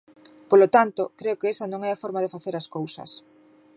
Polo tanto, creo que esa non é a forma de facer as cousas.